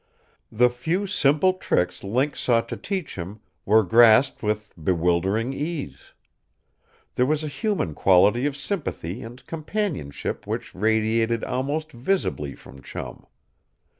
The few simple tricks Link sought to teach him were grasped with bewildering ease. There was a human quality of sympathy and companionship which radiated almost visibly from Chum.